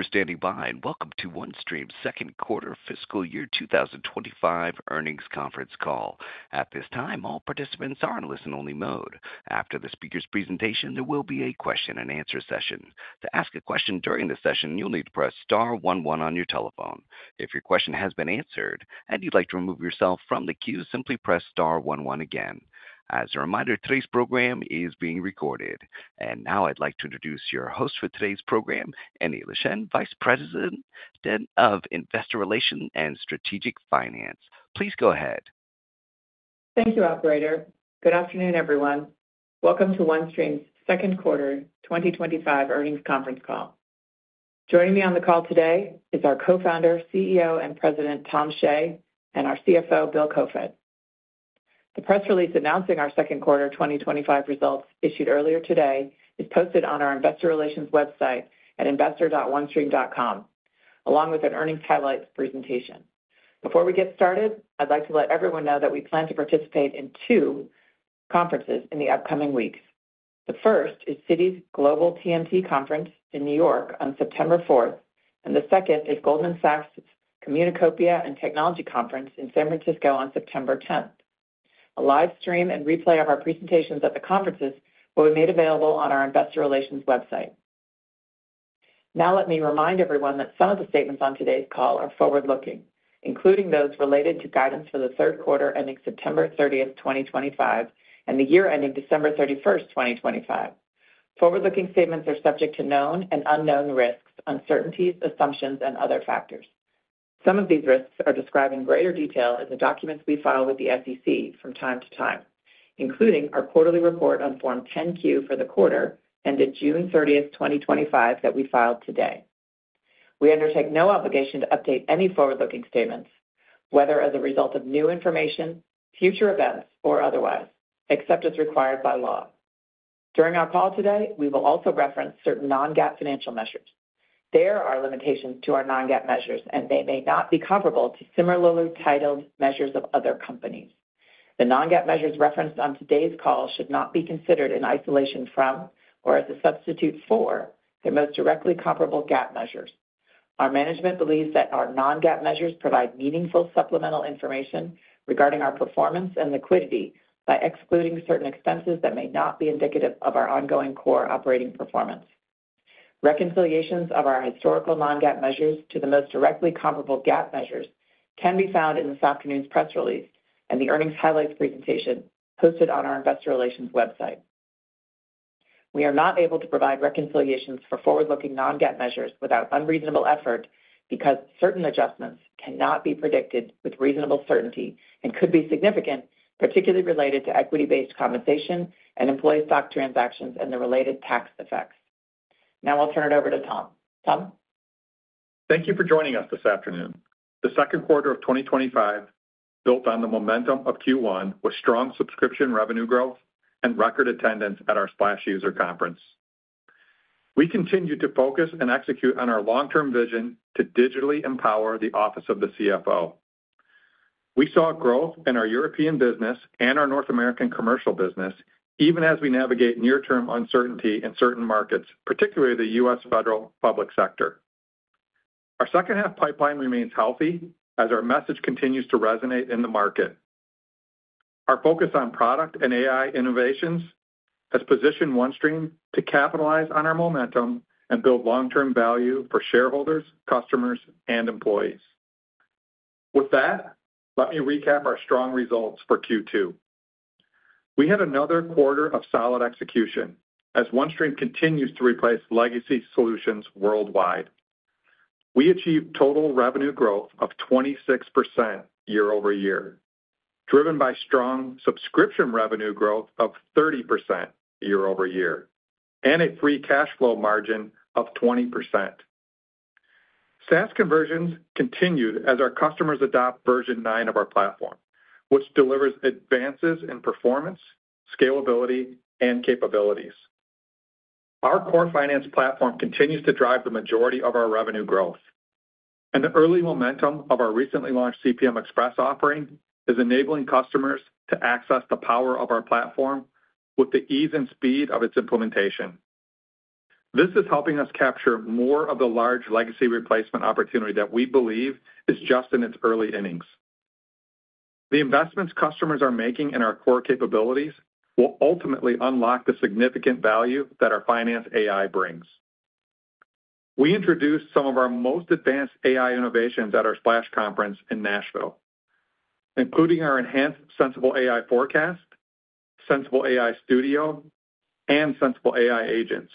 Thank you for standing by and welcome to OneStream's Second Quarter Fiscal Year 2025 Earnings Conference call. At this time, all participants are in listen-only mode. After the speaker's presentation, there will be a question and answer session. To ask a question during the session, you'll need to press star one-one on your telephone. If your question has been answered and you'd like to remove yourself from the queue, simply press star one-one again. As a reminder, today's program is being recorded. Now I'd like to introduce your host for today's program, Annie Leschin, Vice President of Investor Relations and Strategic Finance. Please go ahead. Thank you, Operator. Good afternoon, everyone. Welcome to OneStream's Second Quarter 2025 Earnings Conference Call. Joining me on the call today is our Co-Founder, CEO and President, Tom Shea, and our CFO, Bill Koefoed. The press release announcing our second quarter 2025 results issued earlier today is posted on our Investor Relations website at investor.onestream.com, along with an earnings highlights presentation. Before we get started, I'd like to let everyone know that we plan to participate in two conferences in the upcoming weeks. The first is Citi's Global TMT Conference in New York on September 4th, and the second is Goldman Sachs' Communicopia and Technology Conference in San Francisco on September 10th. A live stream and replay of our presentations at the conferences will be made available on our Investor Relations website. Now, let me remind everyone that some of the statements on today's call are forward-looking, including those related to guidance for the third quarter ending September 30th, 2025, and the year ending December 31st, 2025. Forward-looking statements are subject to known and unknown risks, uncertainties, assumptions, and other factors. Some of these risks are described in greater detail in the documents we file with the SEC from time to time, including our quarterly report on Form 10-Q for the quarter ended June 30th, 2025, that we filed today. We undertake no obligation to update any forward-looking statements, whether as a result of new information, future events, or otherwise, except as required by law. During our call today, we will also reference certain non-GAAP financial measures. There are limitations to our non-GAAP measures, and they may not be comparable to similarly titled measures of other companies. The non-GAAP measures referenced on today's call should not be considered in isolation from or as a substitute for the most directly comparable GAAP measures. Our management believes that our non-GAAP measures provide meaningful supplemental information regarding our performance and liquidity by excluding certain expenses that may not be indicative of our ongoing core operating performance. Reconciliations of our historical non-GAAP measures to the most directly comparable GAAP measures can be found in this afternoon's press release and the earnings highlights presentation posted on our Investor Relations website. We are not able to provide reconciliations for forward-looking non-GAAP measures without unreasonable effort because certain adjustments cannot be predicted with reasonable certainty and could be significant, particularly related to equity-based compensation and employee stock transactions and the related tax effects. Now I'll turn it over to Tom. Tom? Thank you for joining us this afternoon. The second quarter of 2025 built on the momentum of Q1 with strong subscription revenue growth and record attendance at our Splash User Conference. We continue to focus and execute on our long-term vision to digitally empower the Office of the CFO. We saw growth in our European business and our North American commercial business, even as we navigate near-term uncertainty in certain markets, particularly the U.S. federal public sector. Our second-half pipeline remains healthy as our message continues to resonate in the market. Our focus on product and AI innovations has positioned OneStream to capitalize on our momentum and build long-term value for shareholders, customers, and employees. With that, let me recap our strong results for Q2. We had another quarter of solid execution as OneStream continues to replace legacy solutions worldwide. We achieved total revenue growth of 26% year-over-year, driven by strong subscription revenue growth of 30% year-over-year, and a free cash flow margin of 20%. SaaS conversions continued as our customers adopt version nine of our platform, which delivers advances in performance, scalability, and capabilities. Our core finance platform continues to drive the majority of our revenue growth, and the early momentum of our recently launched CPM Express offering is enabling customers to access the power of our platform with the ease and speed of its implementation. This is helping us capture more of the large legacy replacement opportunity that we believe is just in its early innings. The investments customers are making in our core capabilities will ultimately unlock the significant value that our finance AI brings. We introduced some of our most advanced AI innovations at our Splash User Conference in Nashville, including our enhanced Sensible AI Forecast, Sensible AI Studio, and Sensible AI Agents.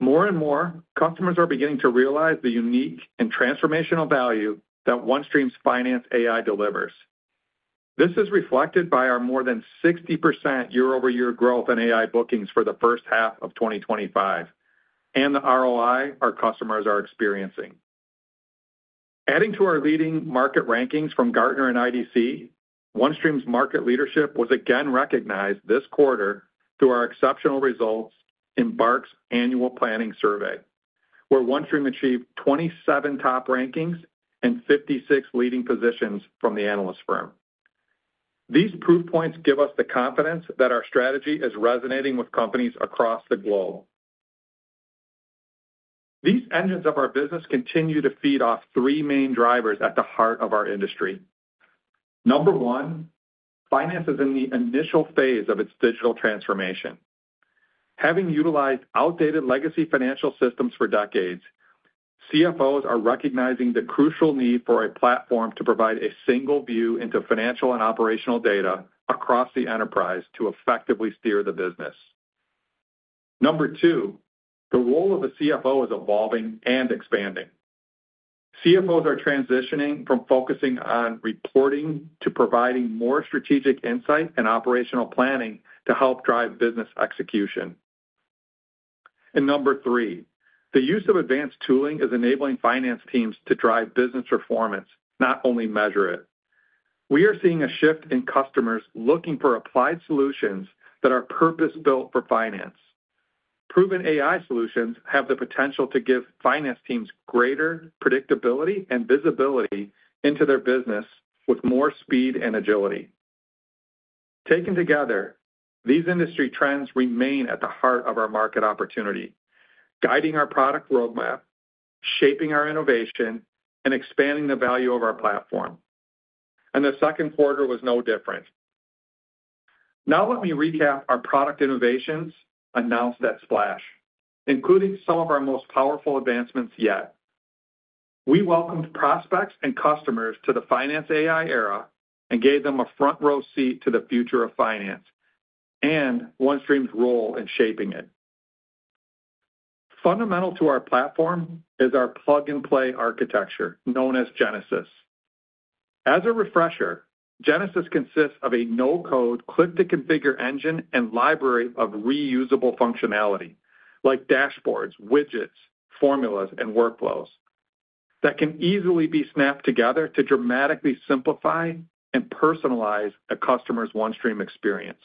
More and more, customers are beginning to realize the unique and transformational value that OneStream's finance AI delivers. This is reflected by our more than 60% year-over-year growth in AI bookings for the first half of 2025 and the ROI our customers are experiencing. Adding to our leading market rankings from Gartner and IDC, OneStream's market leadership was again recognized this quarter through our exceptional results in BARC's Annual Planning Survey, where OneStream achieved 27 top rankings and 56 leading positions from the analyst firm. These proof points give us the confidence that our strategy is resonating with companies across the globe. These engines of our business continue to feed off three main drivers at the heart of our industry. Number one, finance is in the initial phase of its digital transformation. Having utilized outdated legacy financial systems for decades, CFOs are recognizing the crucial need for a platform to provide a single view into financial and operational data across the enterprise to effectively steer the business. Number two, the role of a CFO is evolving and expanding. CFOs are transitioning from focusing on reporting to providing more strategic insight and operational planning to help drive business execution. Number three, the use of advanced tooling is enabling finance teams to drive business performance, not only measure it. We are seeing a shift in customers looking for applied solutions that are purpose-built for finance. Proven AI solutions have the potential to give finance teams greater predictability and visibility into their business with more speed and agility. Taken together, these industry trends remain at the heart of our market opportunity, guiding our product roadmap, shaping our innovation, and expanding the value of our platform. The second quarter was no different. Now let me recap our product innovations announced at Splash, including some of our most powerful advancements yet. We welcomed prospects and customers to the finance AI era and gave them a front-row seat to the future of finance and OneStream's role in shaping it. Fundamental to our platform is our plug-and-play architecture known as Genesis. As a refresher, Genesis consists of a no-code, click-to-configure engine and library of reusable functionality, like dashboards, widgets, formulas, and workflows that can easily be snapped together to dramatically simplify and personalize a customer's OneStream experience.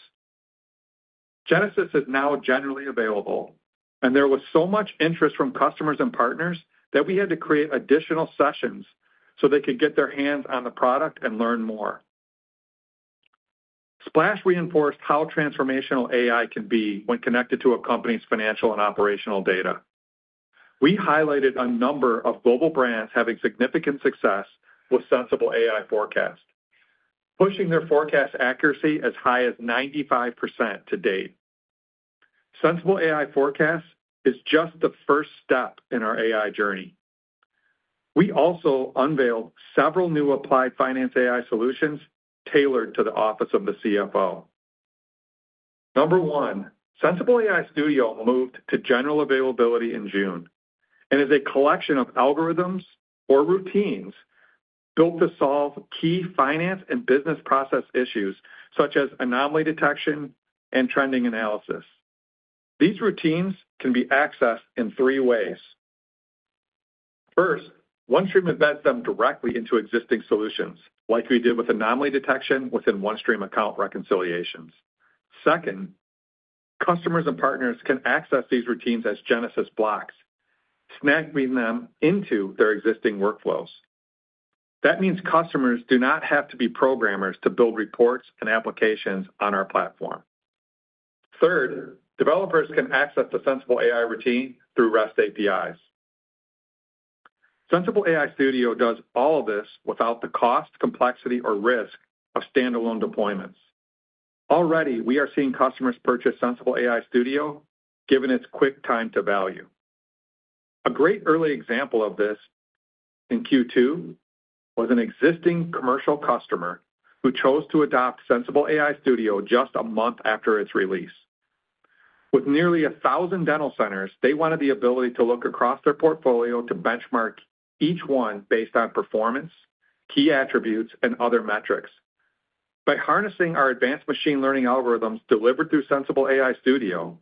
Genesis is now generally available, and there was so much interest from customers and partners that we had to create additional sessions so they could get their hands on the product and learn more. Splash reinforced how transformational AI can be when connected to a company's financial and operational data. We highlighted a number of global brands having significant success with Sensible AI Forecast, pushing their forecast accuracy as high as 95% to date. Sensible AI Forecast is just the first step in our AI journey. We also unveiled several new applied finance AI solutions tailored to the Office of the CFO. Number one, Sensible AI Studio moved to general availability in June and is a collection of algorithms or routines built to solve key finance and business process issues, such as anomaly detection and trending analysis. These routines can be accessed in three ways. First, OneStream embeds them directly into existing solutions, like we did with anomaly detection within OneStream account reconciliations. Second, customers and partners can access these routines as Genesis blocks, snapping them into their existing workflows. That means customers do not have to be programmers to build reports and applications on our platform. Third, developers can access the Sensible AI routine through REST APIs. Sensible AI Studio does all of this without the cost, complexity, or risk of standalone deployments. Already, we are seeing customers purchase Sensible AI Studio given its quick time to value. A great early example of this in Q2 was an existing commercial customer who chose to adopt Sensible AI Studio just a month after its release. With nearly 1,000 dental centers, they wanted the ability to look across their portfolio to benchmark each one based on performance, key attributes, and other metrics. By harnessing our advanced machine learning algorithms delivered through Sensible AI Studio,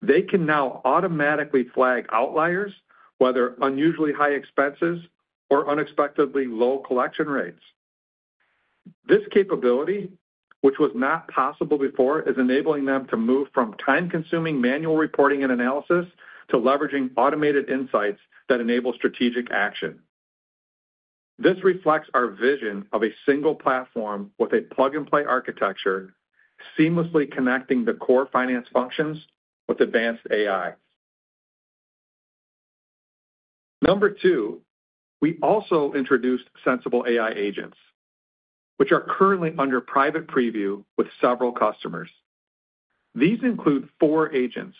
they can now automatically flag outliers, whether unusually high expenses or unexpectedly low collection rates. This capability, which was not possible before, is enabling them to move from time-consuming manual reporting and analysis to leveraging automated insights that enable strategic action. This reflects our vision of a single platform with a plug-and-play architecture seamlessly connecting the core finance functions with advanced AI. Number two, we also introduced Sensible AI Agents, which are currently under private preview with several customers. These include four agents: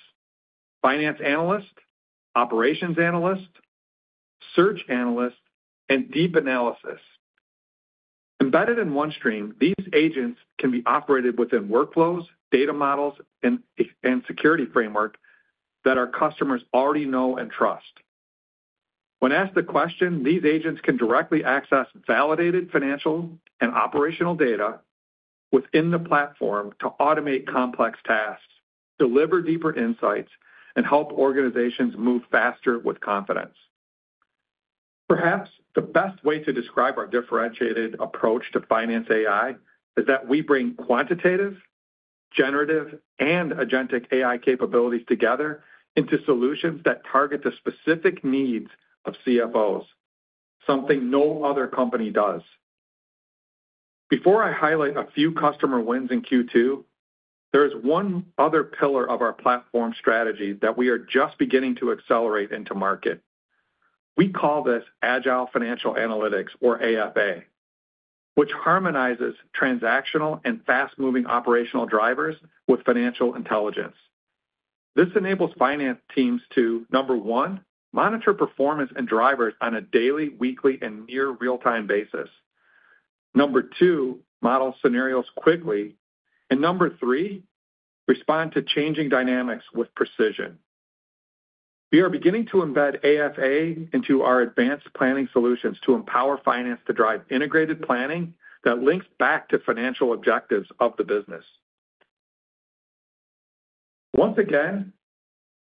Finance Analyst, Operations Analyst, Search Analyst, and Deep Analysis. Embedded in OneStream, these agents can be operated within workflows, data models, and security frameworks that our customers already know and trust. When asked the question, these agents can directly access validated financial and operational data within the platform to automate complex tasks, deliver deeper insights, and help organizations move faster with confidence. Perhaps the best way to describe our differentiated approach to finance AI is that we bring quantitative, generative, and agentic AI capabilities together into solutions that target the specific needs of CFOs, something no other company does. Before I highlight a few customer wins in Q2, there is one other pillar of our platform strategy that we are just beginning to accelerate into market. We call this Agile Financial Analytics, or AFA, which harmonizes transactional and fast-moving operational drivers with financial intelligence. This enables finance teams to, number one, monitor performance and drivers on a daily, weekly, and near real-time basis, number two, model scenarios quickly, and number three, respond to changing dynamics with precision. We are beginning to embed AFA into our advanced planning solutions to empower finance to drive integrated planning that links back to financial objectives of the business. Once again,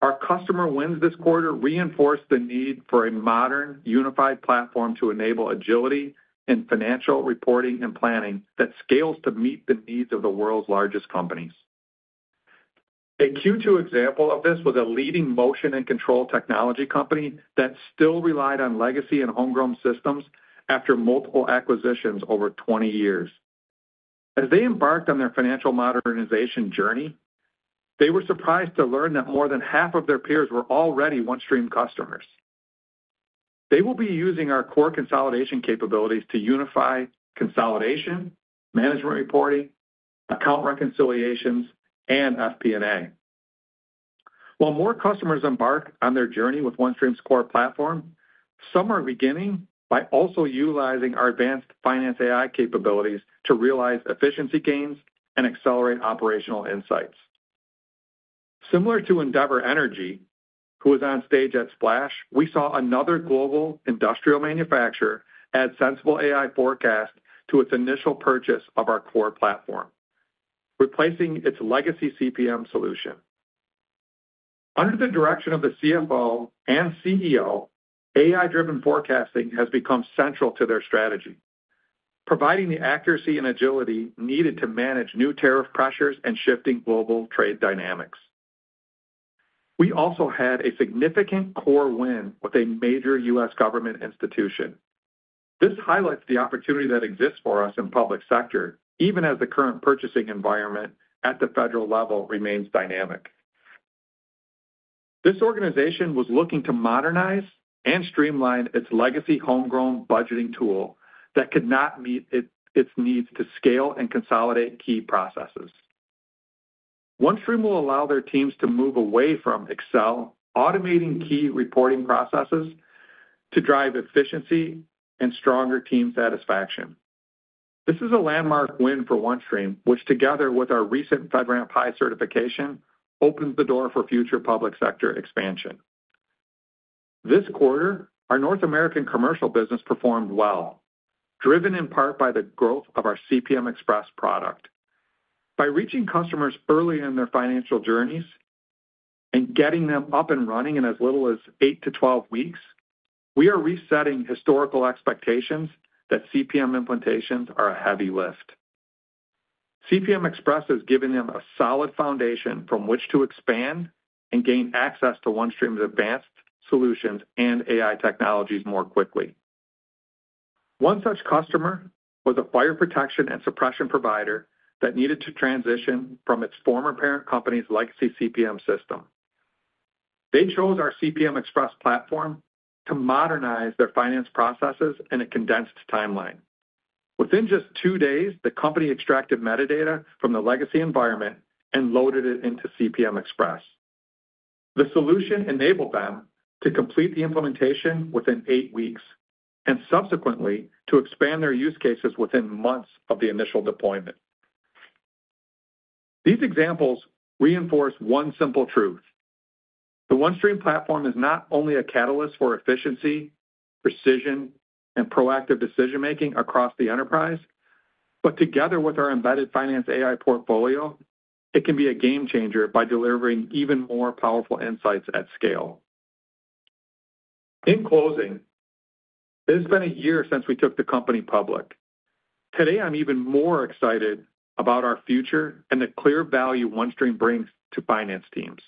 our customer wins this quarter reinforce the need for a modern, unified platform to enable agility and financial reporting and planning that scales to meet the needs of the world's largest companies. A Q2 example of this was a leading motion and control technology company that still relied on legacy and homegrown systems after multiple acquisitions over 20 years. As they embarked on their financial modernization journey, they were surprised to learn that more than 50% of their peers were already OneStream customers. They will be using our core consolidation capabilities to unify consolidation, management reporting, account reconciliations, and FP&A. While more customers embark on their journey with OneStream's core platform, some are beginning by also utilizing our advanced finance AI capabilities to realize efficiency gains and accelerate operational insights. Similar to Endeavour Energy, who was on stage at Splash, we saw another global industrial manufacturer add Sensible AI Forecast to its initial purchase of our core platform, replacing its legacy CPM solution. Under the direction of the CFO and CEO, AI-driven forecasting has become central to their strategy, providing the accuracy and agility needed to manage new tariff pressures and shifting global trade dynamics. We also had a significant core win with a major U.S. government institution. This highlights the opportunity that exists for us in the public sector, even as the current purchasing environment at the federal level remains dynamic. This organization was looking to modernize and streamline its legacy homegrown budgeting tool that could not meet its needs to scale and consolidate key processes. OneStream will allow their teams to move away from Excel, automating key reporting processes to drive efficiency and stronger team satisfaction. This is a landmark win for OneStream, which, together with our recent FedRAMP High certification, opens the door for future public sector expansion. This quarter, our North American commercial business performed well, driven in part by the growth of our CPM Express product. By reaching customers early in their financial journeys and getting them up and running in as little as 8-12 weeks, we are resetting historical expectations that CPM implementations are a heavy lift. CPM Express has given them a solid foundation from which to expand and gain access to OneStream's advanced solutions and AI technologies more quickly. One such customer was a fire protection and suppression provider that needed to transition from its former parent company's legacy CPM system. They chose our CPM Express platform to modernize their finance processes in a condensed timeline. Within just two days, the company extracted metadata from the legacy environment and loaded it into CPM Express. The solution enabled them to complete the implementation within eight weeks and subsequently to expand their use cases within months of the initial deployment. These examples reinforce one simple truth: the OneStream platform is not only a catalyst for efficiency, precision, and proactive decision-making across the enterprise, but together with our embedded finance AI portfolio, it can be a game changer by delivering even more powerful insights at scale. In closing, it has been a year since we took the company public. Today, I'm even more excited about our future and the clear value OneStream brings to finance teams.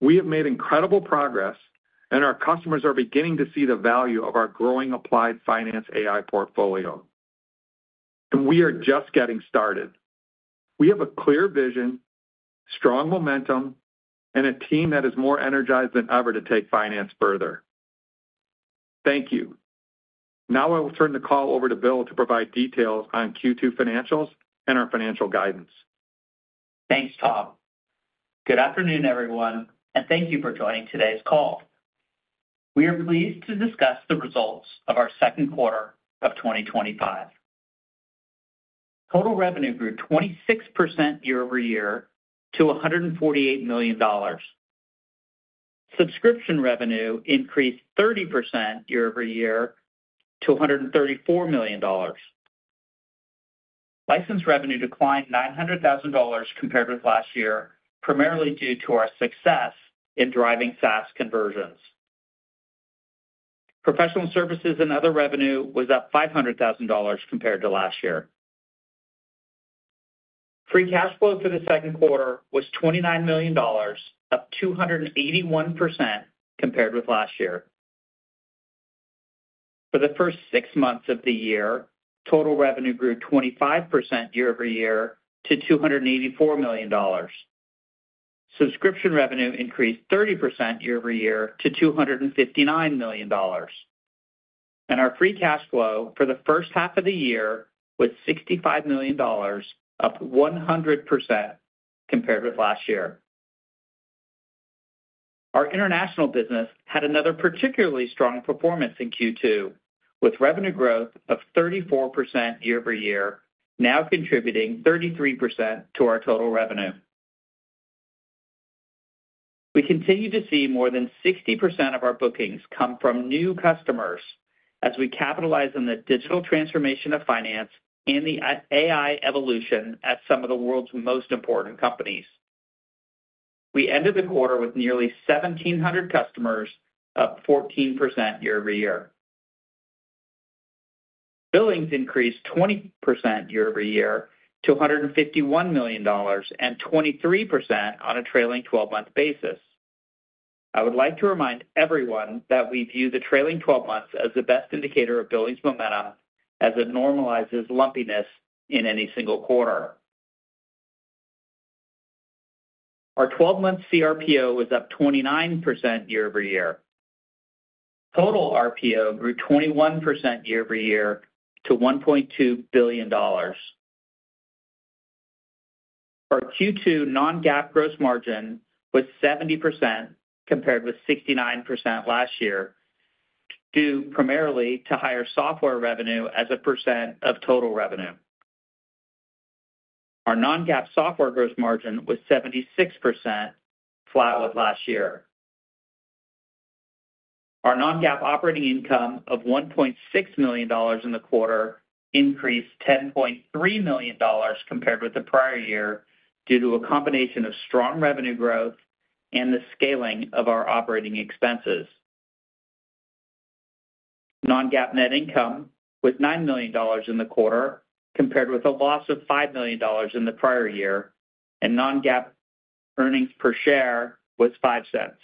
We have made incredible progress, and our customers are beginning to see the value of our growing applied finance AI portfolio. We are just getting started. We have a clear vision, strong momentum, and a team that is more energized than ever to take finance further. Thank you. Now I will turn the call over to Bill to provide details on Q2 financials and our financial guidance. Thanks, Tom. Good afternoon, everyone, and thank you for joining today's call. We are pleased to discuss the results of our second quarter of 2025. Total revenue grew 26% year-over-year to $148 million. Subscription revenue increased 30% year-over-year to $134 million. License revenue declined $900,000 compared with last year, primarily due to our success in driving SaaS conversions. Professional services and other revenue was up $500,000 compared to last year. Free cash flow for the second quarter was $29 million, up 281% compared with last year. For the first six months of the year, total revenue grew 25% year-over-year to $284 million. Subscription revenue increased 30% year-over-year to $259 million. Our free cash flow for the first half of the year was $65 million, up 100% compared with last year. Our international business had another particularly strong performance in Q2, with revenue growth of 34% year-over-year, now contributing 33% to our total revenue. We continue to see more than 60% of our bookings come from new customers as we capitalize on the digital transformation of finance and the AI evolution at some of the world's most important companies. We ended the quarter with nearly 1,700 customers, up 14% year-over-year. Billings increased 20% year-over-year to $151 million and 23% on a trailing 12-month basis. I would like to remind everyone that we view the trailing 12 months as the best indicator of billings momentum, as it normalizes lumpiness in any single quarter. Our 12-month CRPO was up 29% year-over-year. Total RPO grew 21% year-over-year to $1.2 billion. Our Q2 non-GAAP gross margin was 70% compared with 69% last year, due primarily to higher software revenue as a percent of total revenue. Our non-GAAP software gross margin was 76% flat with last year. Our non-GAAP operating income of $1.6 million in the quarter increased $10.3 million compared with the prior year due to a combination of strong revenue growth and the scaling of our operating expenses. Non-GAAP net income was $9 million in the quarter compared with a loss of $5 million in the prior year, and non-GAAP earnings per share was $0.05.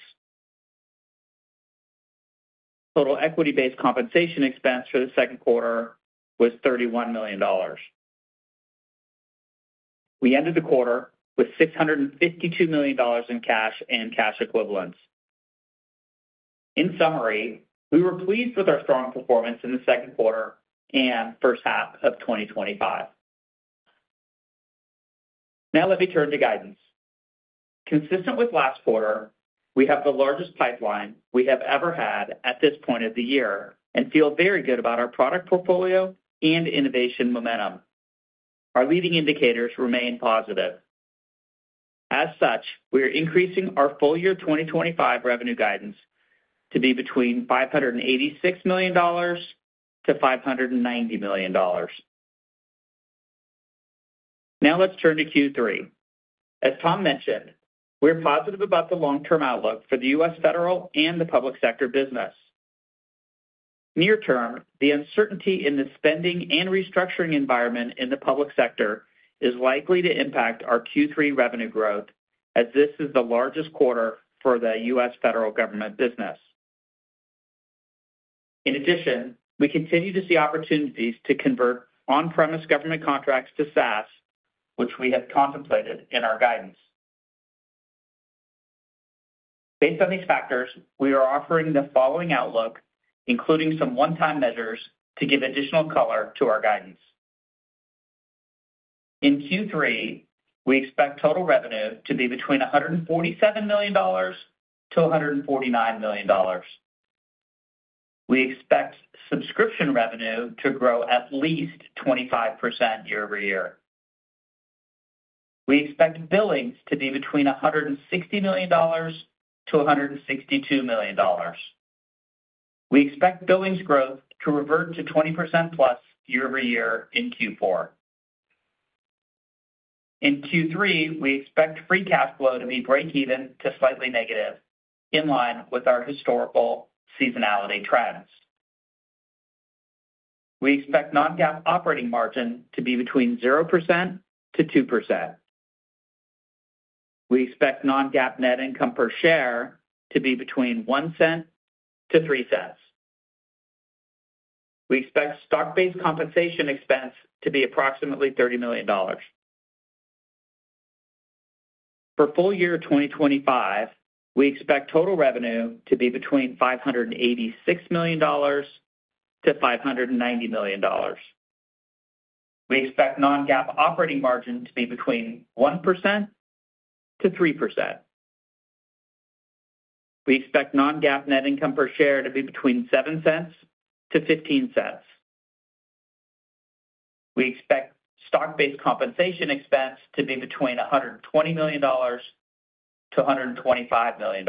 Total equity-based compensation expense for the second quarter was $31 million. We ended the quarter with $652 million in cash and cash equivalents. In summary, we were pleased with our strong performance in the second quarter and first half of 2025. Now let me turn to guidance. Consistent with last quarter, we have the largest pipeline we have ever had at this point of the year and feel very good about our product portfolio and innovation momentum. Our leading indicators remain positive. As such, we are increasing our full-year 2025 revenue guidance to be between $586 million to $590 million. Now let's turn to Q3. As Tom mentioned, we're positive about the long-term outlook for the U.S. federal and the public sector business. Near term, the uncertainty in the spending and restructuring environment in the public sector is likely to impact our Q3 revenue growth, as this is the largest quarter for the U.S. federal government business. In addition, we continue to see opportunities to convert on-premise government contracts to SaaS, which we have contemplated in our guidance. Based on these factors, we are offering the following outlook, including some one-time measures to give additional color to our guidance. In Q3, we expect total revenue to be between $147 million-$149 million. We expect subscription revenue to grow at least 25% year-over-year. We expect billings to be between $160 million to $162 million. We expect billings growth to revert to 20% plus year-over-year in Q4. In Q3, we expect free cash flow to be break-even to slightly negative, in line with our historical seasonality trends. We expect non-GAAP operating margin to be between 0%-2%. We expect non-GAAP net income per share to be between $0.01-$0.03. We expect stock-based compensation expense to be approximately $30 million. For full-year 2025, we expect total revenue to be between $586 million-$590 million. We expect non-GAAP operating margin to be between 1% to 3%. We expect non-GAAP net income per share to be between $0.07-$0.15. We expect stock-based compensation expense to be between $120 million-$125 million.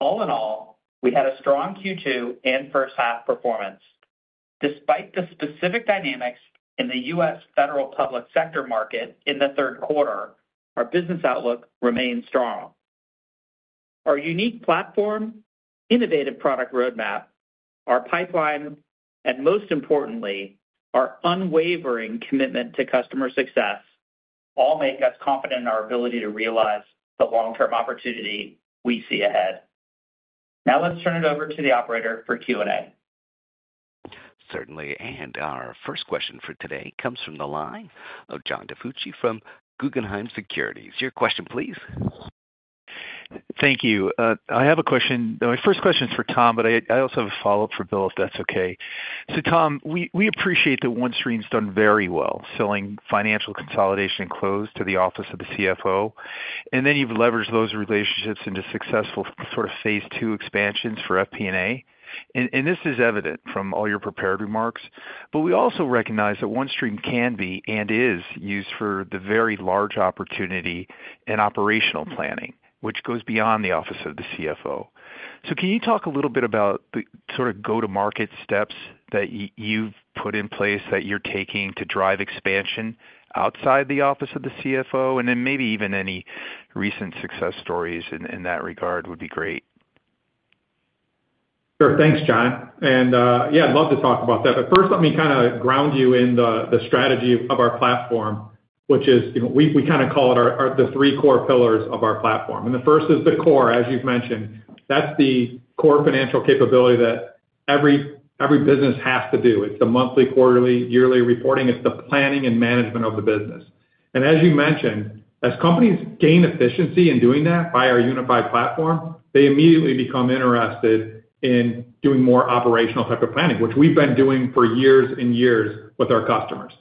All in all, we had a strong Q2 and first half performance. Despite the specific dynamics in the U.S. federal public sector market in the third quarter, our business outlook remains strong. Our unique platform, innovative product roadmap, our pipeline, and most importantly, our unwavering commitment to customer success all make us confident in our ability to realize the long-term opportunity we see ahead. Now let's turn it over to the operator for Q&A. Certainly. Our first question for today comes from the line of John DiFucci from Guggenheim Securities. Your question, please. Thank you. I have a question. My first question is for Tom, but I also have a follow-up for Bill, if that's okay. Tom, we appreciate that OneStream's done very well, selling financial consolidation and close to the Office of the CFO. You've leveraged those relationships into successful sort of phase two expansions for FP&A. This is evident from all your prepared remarks. We also recognize that OneStream can be and is used for the very large opportunity in operational planning, which goes beyond the Office of the CFO. Can you talk a little bit about the sort of go-to-market steps that you've put in place that you're taking to drive expansion outside the Office of the CFO? Maybe even any recent success stories in that regard would be great. Sure. Thanks, John. I'd love to talk about that. First, let me kind of ground you in the strategy of our platform, which is, you know, we kind of call it the three core pillars of our platform. The first is the core, as you've mentioned. That's the core financial capability that every business has to do. It's the monthly, quarterly, yearly reporting. It's the planning and management of the business. As you mentioned, as companies gain efficiency in doing that by our unified platform, they immediately become interested in doing more operational type of planning, which we've been doing for years and years with our customers.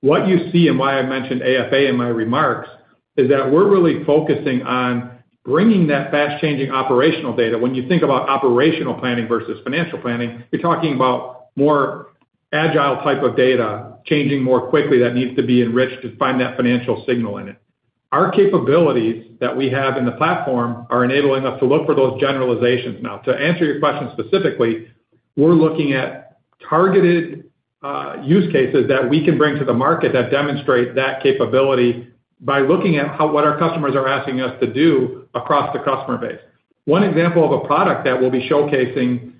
What you see and why I mentioned AFA in my remarks is that we're really focusing on bringing that fast-changing operational data. When you think about operational planning versus financial planning, you're talking about more agile type of data changing more quickly that needs to be enriched to find that financial signal in it. Our capabilities that we have in the platform are enabling us to look for those generalizations. To answer your question specifically, we're looking at targeted use cases that we can bring to the market that demonstrate that capability by looking at what our customers are asking us to do across the customer base. One example of a product that we'll be showcasing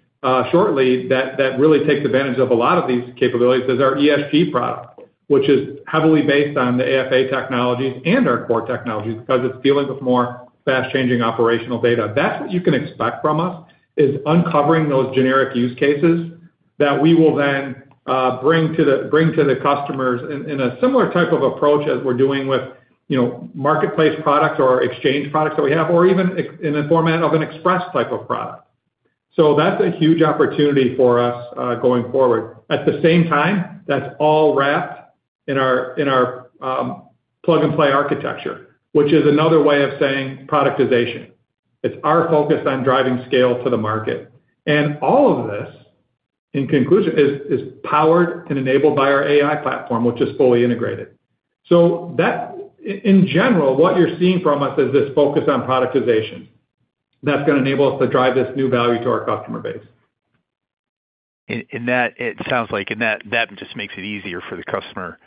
shortly that really takes advantage of a lot of these capabilities is our ESG reporting product, which is heavily based on the AFA technologies and our core technologies because it's dealing with more fast-changing operational data. That's what you can expect from us, uncovering those generic use cases that we will then bring to the customers in a similar type of approach as we're doing with, you know, marketplace products or exchange products that we have, or even in the format of an express type of product. That's a huge opportunity for us going forward. At the same time, that's all wrapped in our plug-and-play architecture, which is another way of saying productization. It's our focus on driving scale to the market. All of this, in conclusion, is powered and enabled by our AI platform, which is fully integrated. In general, what you're seeing from us is this focus on productization that's going to enable us to drive this new value to our customer base. It sounds like that just makes it easier for the customer to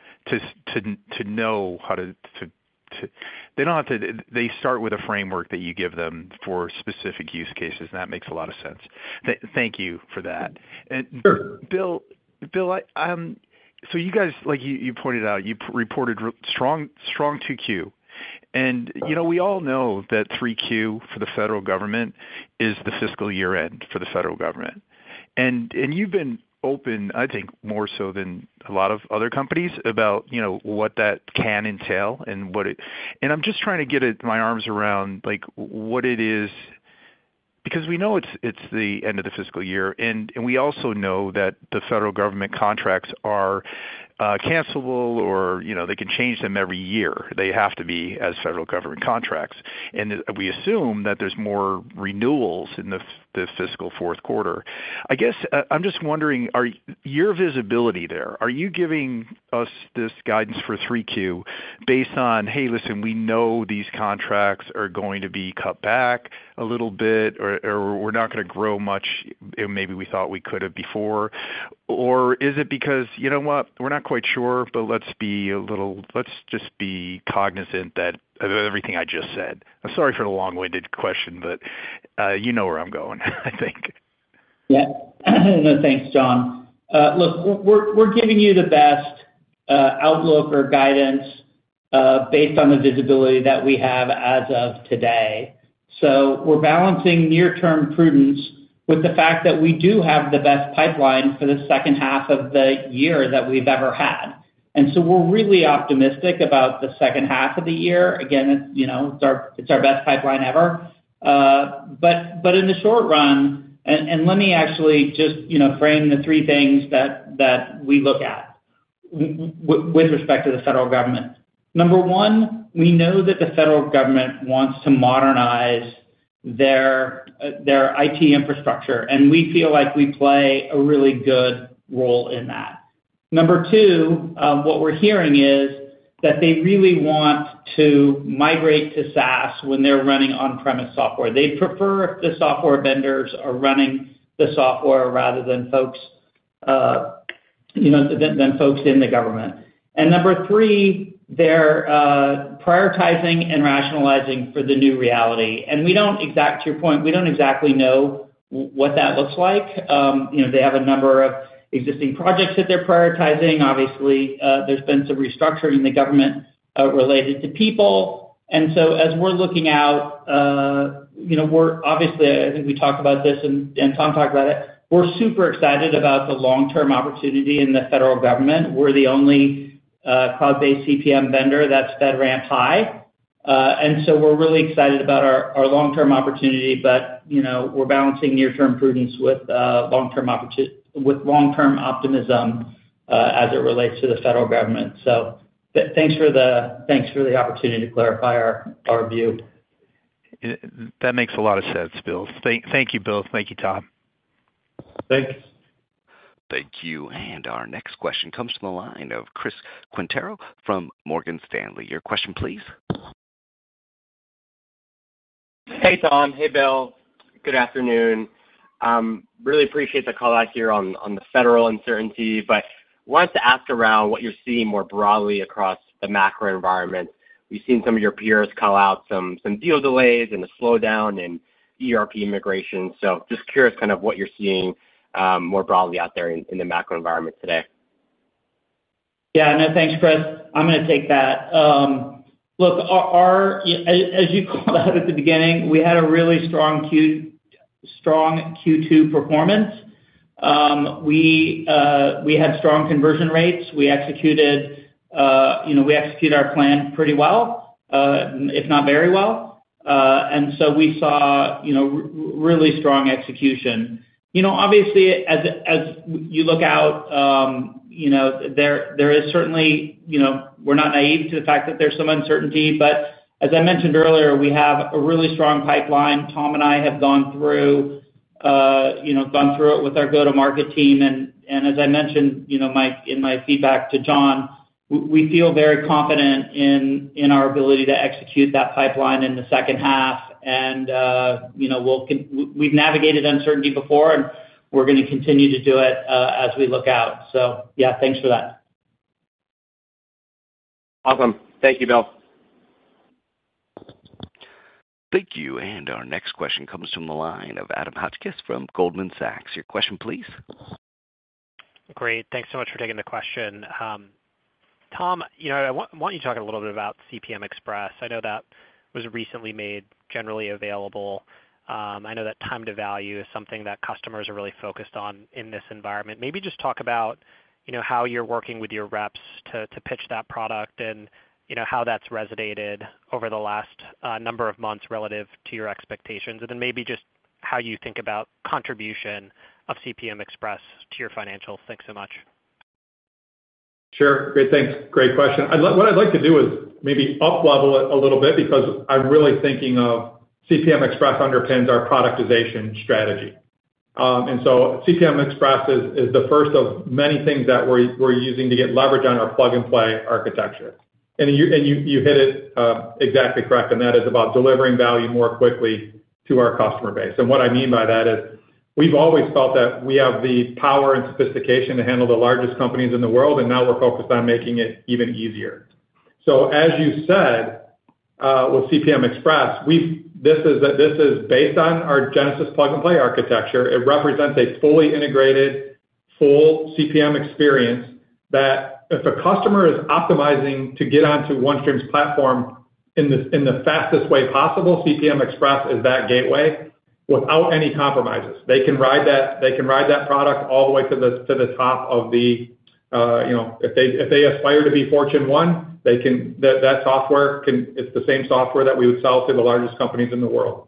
know how to—they don't have to—they start with a framework that you give them for specific use cases. That makes a lot of sense. Thank you for that. Sure. Bill, you reported strong 2Q. We all know that 3Q for the U.S. federal public sector is the fiscal year-end for the federal government. You've been open, I think, more so than a lot of other companies about what that can entail and what it is. I'm just trying to get my arms around what it is because we know it's the end of the fiscal year. We also know that the federal government contracts are cancelable or they can change them every year. They have to be as federal government contracts. We assume that there's more renewals in the fiscal fourth quarter. I guess I'm just wondering, your visibility there, are you giving us this guidance for 3Q based on, hey, listen, we know these contracts are going to be cut back a little bit or we're not going to grow much, maybe we thought we could have before, or is it because, you know what, we're not quite sure, but let's just be cognizant of everything I just said. I'm sorry for the long-winded question, but you know where I'm going, I think. Yeah. No, thanks, John. Look, we're giving you the best outlook or guidance based on the visibility that we have as of today. We're balancing near-term prudence with the fact that we do have the best pipeline for the second half of the year that we've ever had. We're really optimistic about the second half of the year. Again, you know, it's our best pipeline ever. In the short run, let me actually just frame the three things that we look at with respect to the federal government. Number one, we know that the federal government wants to modernize their IT infrastructure, and we feel like we play a really good role in that. Number two, what we're hearing is that they really want to migrate to SaaS when they're running on-premise software. They prefer the software vendors are running the software rather than folks in the government. Number three, they're prioritizing and rationalizing for the new reality. We don't, to your point, we don't exactly know what that looks like. You know, they have a number of existing projects that they're prioritizing. Obviously, there's been some restructuring in the government related to people. As we're looking out, you know, we're obviously, I think we talked about this and Tom talked about it, we're super excited about the long-term opportunity in the federal government. We're the only cloud-based CPM vendor that's FedRAMP high. We're really excited about our long-term opportunity, but, you know, we're balancing near-term prudence with long-term optimism as it relates to the federal government. Thanks for the opportunity to clarify our view. That makes a lot of sense, Bill. Thank you, Bill. Thank you, Tom. Thanks. Thank you. Our next question comes from the line of Chris Quintero from Morgan Stanley. Your question, please. Hey, Tom. Hey, Bill. Good afternoon. I really appreciate the call out here on the federal uncertainty. I wanted to ask around what you're seeing more broadly across the macro environment. We've seen some of your peers call out some deal delays and a slowdown in ERP migration. I'm just curious kind of what you're seeing more broadly out there in the macro environment today. Yeah, no, thanks, Chris. I'm going to take that. Look, as you called out at the beginning, we had a really strong Q2 performance. We had strong conversion rates. We executed our plan pretty well, if not very well. We saw really strong execution. Obviously, as you look out, there is certainly, we're not naive to the fact that there's some uncertainty. As I mentioned earlier, we have a really strong pipeline. Tom and I have gone through it with our go-to-market team. As I mentioned in my feedback to John, we feel very confident in our ability to execute that pipeline in the second half. We've navigated uncertainty before, and we're going to continue to do it as we look out. Yeah, thanks for that. Awesome. Thank you, Bill. Thank you. Our next question comes from the line of Adam Hotchkiss from Goldman Sachs. Your question, please? Great. Thanks so much for taking the question. Tom, I want you to talk a little bit about CPM Express. I know that was recently made generally available. I know that time to value is something that customers are really focused on in this environment. Maybe just talk about how you're working with your reps to pitch that product and how that's resonated over the last number of months relative to your expectations. Maybe just how you think about the contribution of CPM Express to your financials. Thanks so much. Great, thanks. Great question. What I'd like to do is maybe up-level it a little bit because I'm really thinking of CPM Express underpins our productization strategy. CPM Express is the first of many things that we're using to get leverage on our plug-and-play architecture. You hit it exactly correct, and that is about delivering value more quickly to our customer base. What I mean by that is we've always felt that we have the power and sophistication to handle the largest companies in the world, and now we're focused on making it even easier. As you said, with CPM Express, this is based on our Genesis plug-and-play architecture. It represents a fully integrated, full CPM experience that if a customer is optimizing to get onto OneStream's platform in the fastest way possible, CPM Express is that gateway without any compromises. They can ride that product all the way to the top of the, you know, if they aspire to be Fortune 1, they can, that software can, it's the same software that we would sell to the largest companies in the world.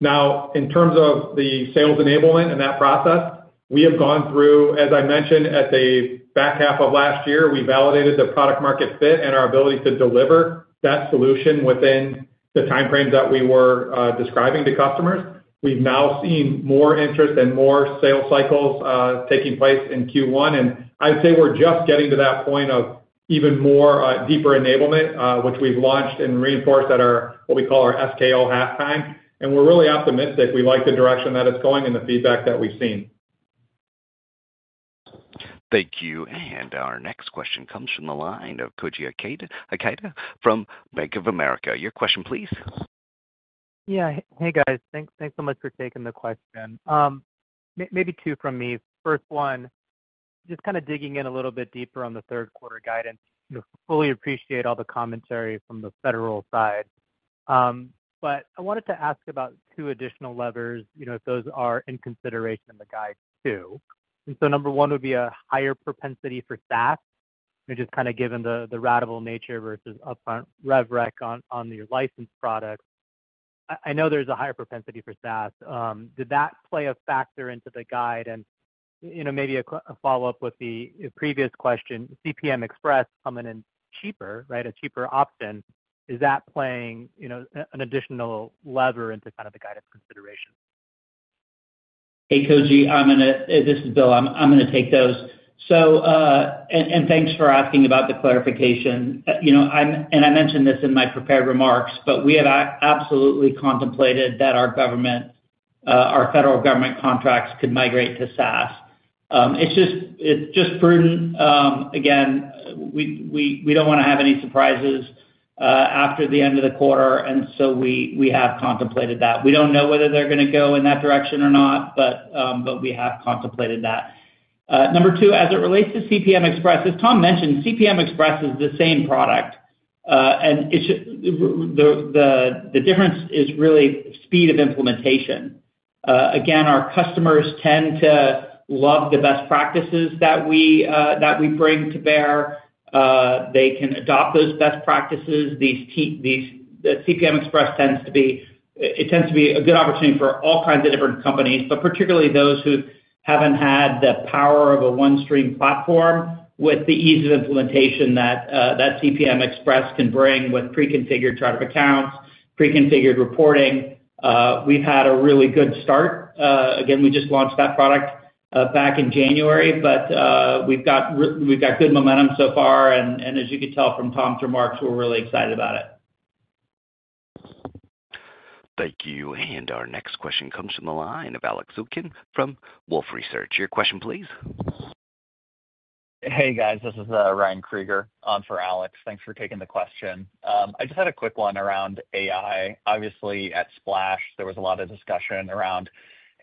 In terms of the sales enablement in that process, we have gone through, as I mentioned, at the back half of last year, we validated the product-market fit and our ability to deliver that solution within the timeframes that we were describing to customers. We've now seen more interest and more sales cycles taking place in Q1. I'd say we're just getting to that point of even more deeper enablement, which we've launched and reinforced at our, what we call our SKO halftime. We're really optimistic. We like the direction that it's going and the feedback that we've seen. Thank you. Our next question comes from the line of Koji Ikeda from Bank of America. Your question, please. Yeah. Hey, guys. Thanks so much for taking the question. Maybe two from me. First one, just kind of digging in a little bit deeper on the third quarter guidance. I fully appreciate all the commentary from the federal side. I wanted to ask about two additional levers, if those are in consideration in the guide too. Number one would be a higher propensity for SaaS, just kind of given the ratable nature versus upfront rev rec on your licensed products. I know there's a higher propensity for SaaS. Did that play a factor into the guide? Maybe a follow-up with the previous question, CPM Express coming in cheaper, a cheaper option, is that playing an additional lever into kind of the guided consideration? Hey, Koji. I'm going to take those. Thanks for asking about the clarification. I mentioned this in my prepared remarks, but we have absolutely contemplated that our government, our federal government contracts could migrate to SaaS. It's just, it's just fruiting. We don't want to have any surprises after the end of the quarter, and we have contemplated that. We don't know whether they're going to go in that direction or not, but we have contemplated that. Number two, as it relates to CPM Express, as Tom mentioned, CPM Express is the same product. The difference is really speed of implementation. Our customers tend to love the best practices that we bring to bear. They can adopt those best practices. CPM Express tends to be a good opportunity for all kinds of different companies, particularly those who haven't had the power of a OneStream platform with the ease of implementation that CPM Express can bring with pre-configured chart of accounts, pre-configured reporting. We've had a really good start. We just launched that product back in January, but we've got good momentum so far. As you could tell from Tom's remarks, we're really excited about it. Thank you. Our next question comes from the line of Alex Zubkin from Wolfe Research. Your question, please. Hey, guys. This is Ryan Krieger on for Alex. Thanks for taking the question. I just had a quick one around AI. Obviously, at Splash, there was a lot of discussion around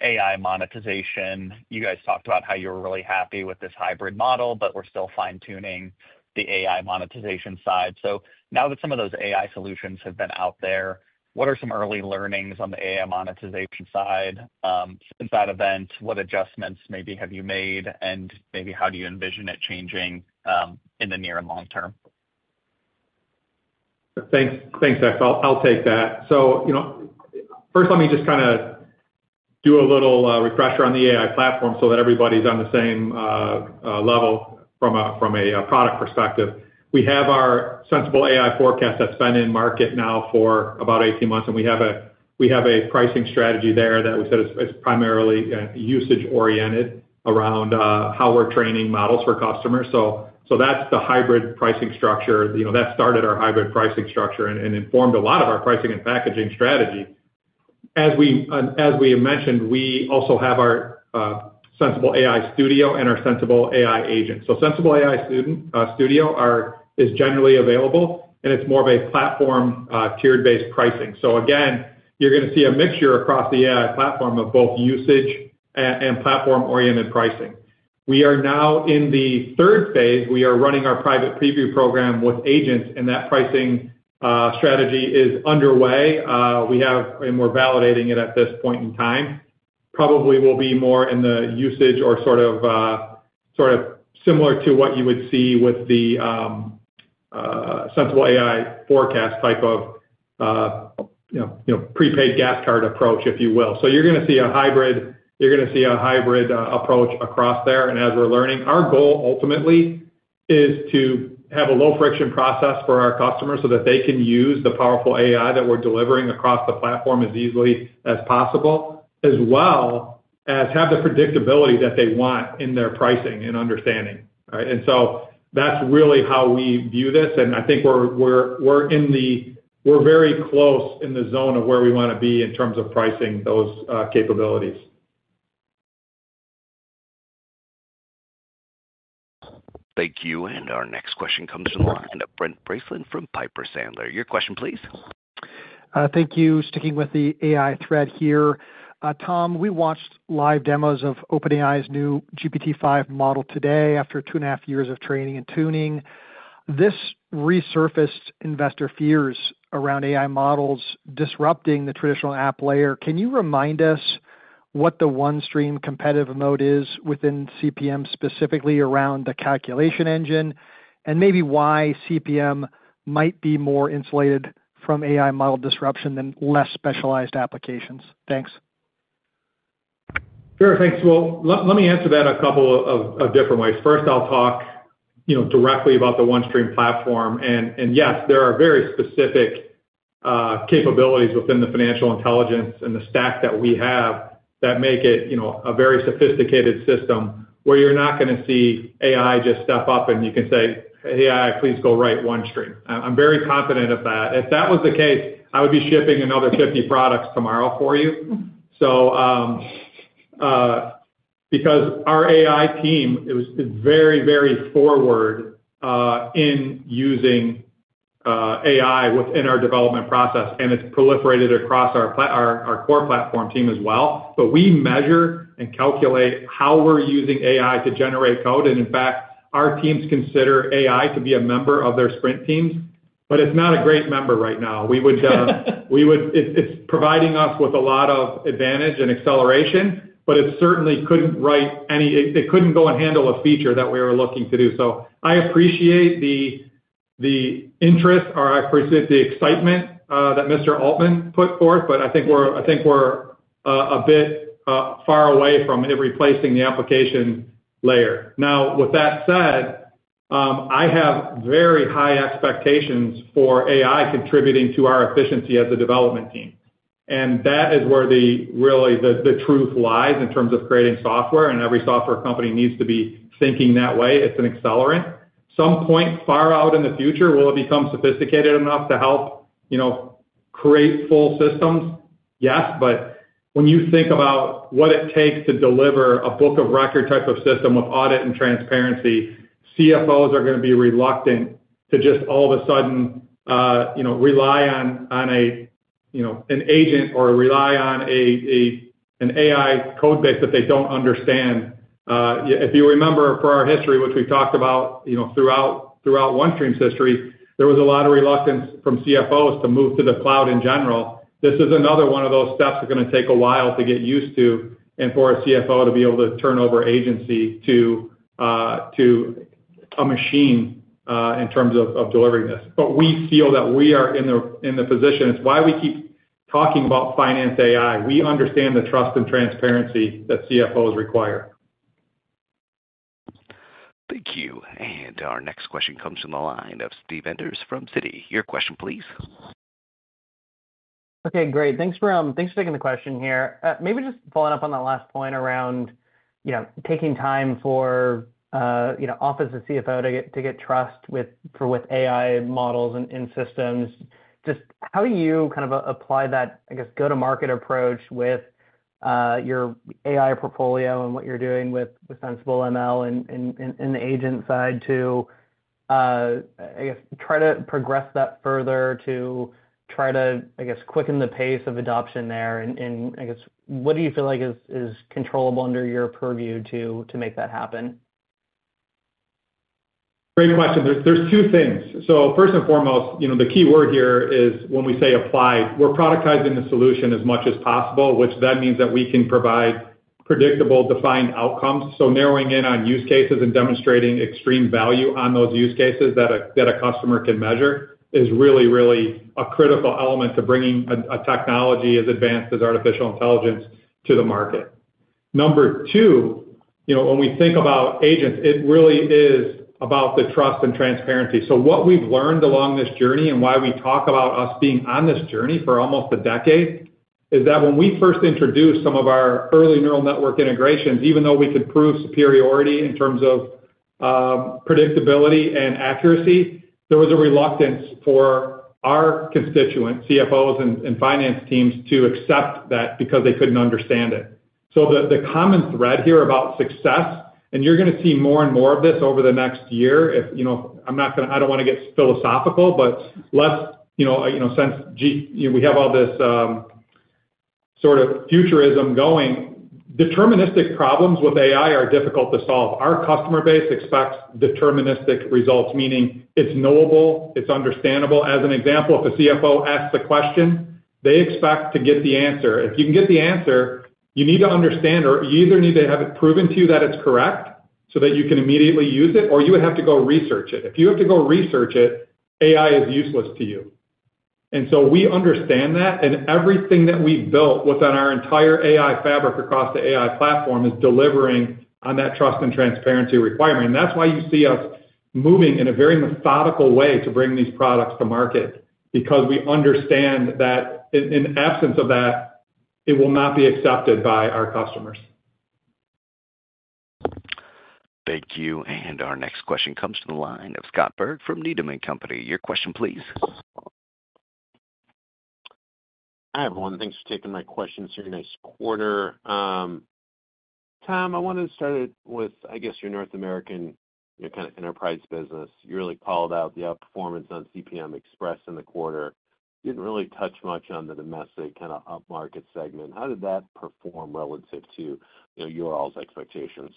AI monetization. You guys talked about how you're really happy with this hybrid model, but we're still fine-tuning the AI monetization side. Now that some of those AI solutions have been out there, what are some early learnings on the AI monetization side since that event? What adjustments maybe have you made, and maybe how do you envision it changing in the near and long term? Thanks. Thanks, Jeff. I'll take that. First, let me just kind of do a little refresher on the AI platform so that everybody's on the same level from a product perspective. We have our Sensible AI Forecast that's been in market now for about 18 months, and we have a pricing strategy there that we said is primarily usage-oriented around how we're training models for customers. That's the hybrid pricing structure that started our hybrid pricing structure and informed a lot of our pricing and packaging strategy. As we mentioned, we also have our Sensible AI Studio and our Sensible AI Agent. Sensible AI Studio is generally available, and it's more of a platform tiered-based pricing. Again, you're going to see a mixture across the AI platform of both usage and platform-oriented pricing. We are now in the third phase. We are running our private preview program with agents, and that pricing strategy is underway. We have, and we're validating it at this point in time. Probably will be more in the usage or sort of similar to what you would see with the Sensible AI Forecast type of prepaid gas card approach, if you will. You're going to see a hybrid, you're going to see a hybrid approach across there. As we're learning, our goal ultimately is to have a low-friction process for our customers so that they can use the powerful AI that we're delivering across the platform as easily as possible, as well as have the predictability that they want in their pricing and understanding. That's really how we view this. I think we're very close in the zone of where we want to be in terms of pricing those capabilities. Thank you. Our next question comes from the line of Brent Bracelin from Piper Sandler. Your question, please. Thank you. Sticking with the AI thread here. Tom, we watched live demos of OpenAI's new GPT-5 model today after two and a half years of training and tuning. This resurfaced investor fears around AI models disrupting the traditional app layer. Can you remind us what the OneStream competitive moat is within CPM, specifically around the calculation engine, and maybe why CPM might be more insulated from AI model disruption than less specialized applications? Thanks. Sure. Thanks. Let me answer that a couple of different ways. First, I'll talk directly about the OneStream platform. Yes, there are very specific capabilities within the financial intelligence and the stack that we have that make it a very sophisticated system where you're not going to see AI just step up and you can say, "AI, please go write OneStream." I'm very confident of that. If that was the case, I would be shipping another 50 products tomorrow for you, because our AI team is very, very forward in using AI within our development process, and it's proliferated across our core platform team as well. We measure and calculate how we're using AI to generate code. In fact, our teams consider AI to be a member of their sprint teams, but it's not a great member right now. It's providing us with a lot of advantage and acceleration, but it certainly couldn't write any, it couldn't go and handle a feature that we were looking to do. I appreciate the interest or I appreciate the excitement that Mr. Altman put forth, but I think we're a bit far away from replacing the application layer. Now, with that said, I have very high expectations for AI contributing to our efficiency as a development team. That is where really the truth lies in terms of creating software, and every software company needs to be thinking that way. It's an accelerant. At some point far out in the future, will it become sophisticated enough to help create full systems? Yes, but when you think about what it takes to deliver a book-of-record type of system with audit and transparency, CFOs are going to be reluctant to just all of a sudden rely on an agent or rely on an AI code base that they don't understand. If you remember, for our history, which we talked about throughout OneStream's history, there was a lot of reluctance from CFOs to move to the cloud in general. This is another one of those steps that's going to take a while to get used to and for a CFO to be able to turn over agency to a machine in terms of delivering this. We feel that we are in the position. It's why we keep talking about finance AI. We understand the trust and transparency that CFOs require. Thank you. Our next question comes from the line of Steve Enders from Citi. Your question, please. Okay, great. Thanks for taking the question here. Maybe just following up on that last point around taking time for Office of CFO to get trust with AI models and systems. Just how do you kind of apply that, I guess, go-to-market approach with your AI portfolio and what you're doing with Sensible AI and the agent side to try to progress that further to try to quicken the pace of adoption there? What do you feel like is controllable under your purview to make that happen? Great question. There's two things. First and foremost, the key word here is when we say applied, we're productizing the solution as much as possible, which means that we can provide predictable, defined outcomes. Narrowing in on use cases and demonstrating extreme value on those use cases that a customer can measure is really, really a critical element to bringing a technology as advanced as artificial intelligence to the market. Number two, when we think about agents, it really is about the trust and transparency. What we've learned along this journey and why we talk about us being on this journey for almost a decade is that when we first introduced some of our early neural network integrations, even though we could prove superiority in terms of predictability and accuracy, there was a reluctance for our constituents, CFOs, and finance teams to accept that because they couldn't understand it. The common thread here about success, and you're going to see more and more of this over the next year, if you know, I'm not going to, I don't want to get philosophical, but since we have all this sort of futurism going, deterministic problems with AI are difficult to solve. Our customer base expects deterministic results, meaning it's knowable, it's understandable. As an example, if a CFO asks a question, they expect to get the answer. If you can get the answer, you need to understand, or you either need to have it proven to you that it's correct so that you can immediately use it, or you would have to go research it. If you have to go research it, AI is useless to you. We understand that, and everything that we've built within our entire AI fabric across the AI platform is delivering on that trust and transparency requirement. That's why you see us moving in a very methodical way to bring these products to market, because we understand that in absence of that, it will not be accepted by our customers. Thank you. Our next question comes from the line of Scott Berg from Needham & Company. Your question, please. Hi, everyone. Thanks for taking my questions here in this quarter. Tom, I wanted to start it with, I guess, your North American, you know, kind of enterprise business. You really called out the outperformance on CPM Express in the quarter. You didn't really touch much on the domestic kind of upmarket segment. How did that perform relative to, you know, your all's expectations?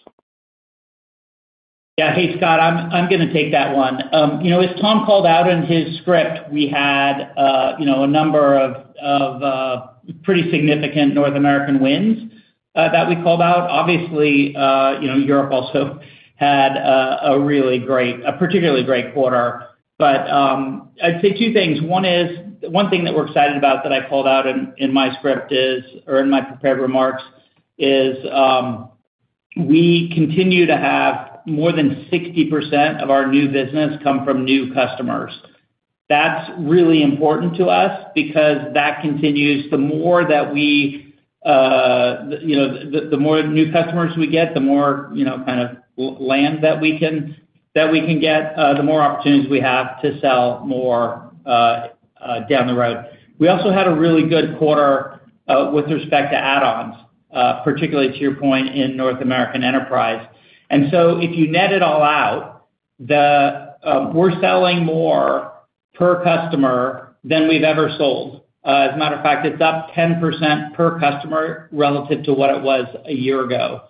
Yeah. Hey, Scott. I'm going to take that one. As Tom called out in his script, we had a number of pretty significant North American wins that we called out. Obviously, Europe also had a really great, a particularly great quarter. I'd say two things. One is, one thing that we're excited about that I called out in my script, or in my prepared remarks, is we continue to have more than 60% of our new business come from new customers. That's really important to us because that continues the more that we, the more new customers we get, the more kind of land that we can get, the more opportunities we have to sell more down the road. We also had a really good quarter with respect to add-ons, particularly to your point in North American enterprise. If you net it all out, we're selling more per customer than we've ever sold. As a matter of fact, it's up 10% per customer relative to what it was a year ago.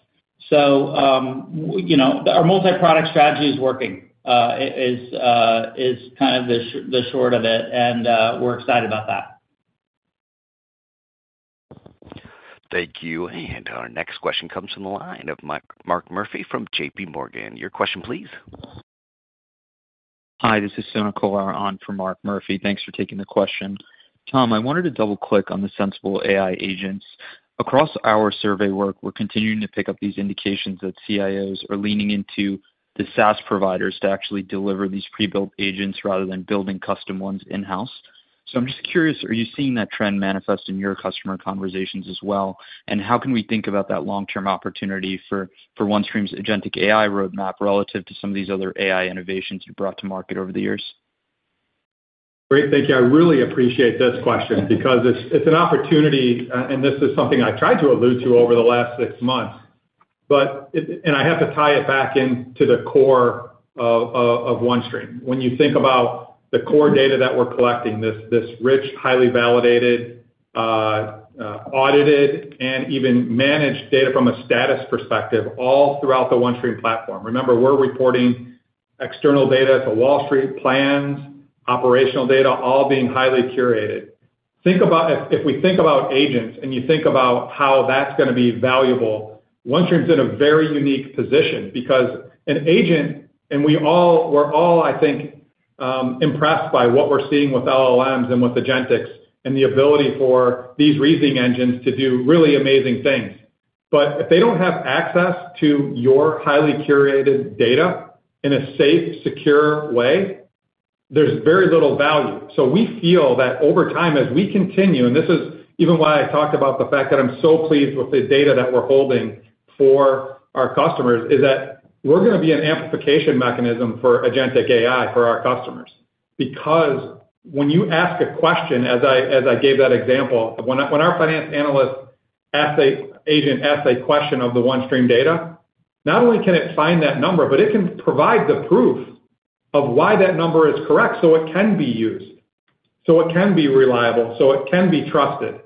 Our multi-product strategy is working, is kind of the short of it, and we're excited about that. Thank you. Our next question comes from the line of Mark Murphy from JP Morgan. Your question, please. Hi, this is Sona Jain on for Mark Murphy. Thanks for taking the question. Tom, I wanted to double-click on the Sensible AI Agents. Across our survey work, we're continuing to pick up these indications that CIOs are leaning into the SaaS providers to actually deliver these pre-built agents rather than building custom ones in-house. I'm just curious, are you seeing that trend manifest in your customer conversations as well? How can we think about that long-term opportunity for OneStream's agentic AI roadmap relative to some of these other AI innovations you've brought to market over the years? Great, thank you. I really appreciate this question because it's an opportunity, and this is something I tried to allude to over the last six months. I have to tie it back into the core of OneStream. When you think about the core data that we're collecting, this rich, highly validated, audited, and even managed data from a status perspective all throughout the OneStream platform. Remember, we're reporting external data to Wall Street, plans, operational data, all being highly curated. If we think about agents and you think about how that's going to be valuable, OneStream's in a very unique position because an agent, and we all, we're all, I think, impressed by what we're seeing with LLMs and with agentic capabilities and the ability for these reasoning engines to do really amazing things. If they don't have access to your highly curated data in a safe, secure way, there's very little value. We feel that over time, as we continue, and this is even why I talked about the fact that I'm so pleased with the data that we're holding for our customers, we're going to be an amplification mechanism for agentic AI for our customers. When you ask a question, as I gave that example, when our finance analyst asks an agent a question of the OneStream data, not only can it find that number, but it can provide the proof of why that number is correct so it can be used, so it can be reliable, so it can be trusted.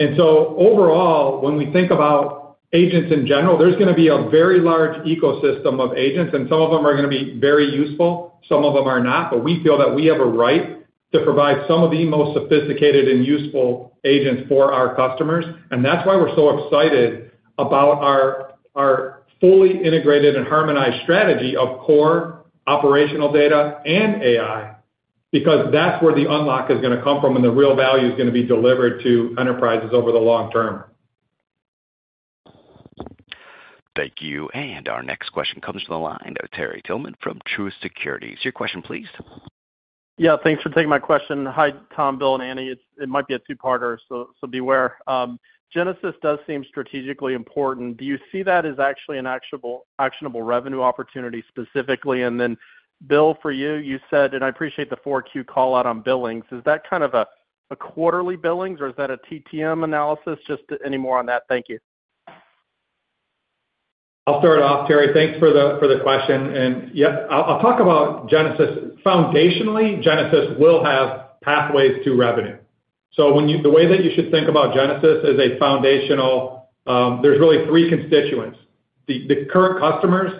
Overall, when we think about agents in general, there's going to be a very large ecosystem of agents, and some of them are going to be very useful, some of them are not, but we feel that we have a right to provide some of the most sophisticated and useful agents for our customers. That's why we're so excited about our fully integrated and harmonized strategy of core operational data and AI, because that's where the unlock is going to come from and the real value is going to be delivered to enterprises over the long term. Thank you. Our next question comes to the line of Terry Tillman from Truist Securities. Your question, please. Yeah, thanks for taking my question. Hi, Tom, Bill, and Annie. It might be a two-parter, so beware. Genesis does seem strategically important. Do you see that as actually an actionable revenue opportunity specifically? Bill, for you, you said, and I appreciate the 4Q call out on billings. Is that kind of a quarterly billings, or is that a TTM analysis? Just any more on that? Thank you. I'll start off, Terry. Thanks for the question. Yeah, I'll talk about Genesis. Foundationally, Genesis will have pathways to revenue. The way that you should think about Genesis is as foundational, there's really three constituents. The current customers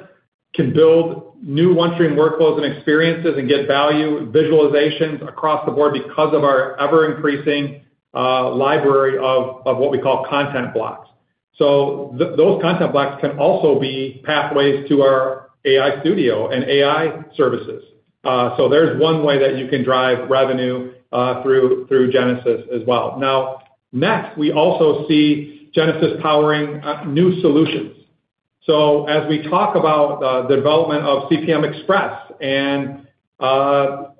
can build new OneStream workflows and experiences and get value visualizations across the board because of our ever-increasing library of what we call content blocks. Those content blocks can also be pathways to our AI Studio and AI services. There's one way that you can drive revenue through Genesis as well. Next, we also see Genesis powering new solutions. As we talk about the development of CPM Express, we're